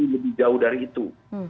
lebih jauh dari itu